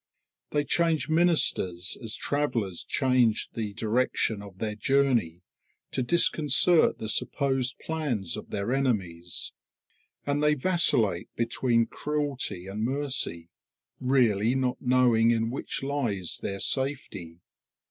They change ministers as travellers change the direction of their journey, to disconcert the supposed plans of their enemies; and they vacillate between cruelty and mercy, really not knowing in which lies their safety.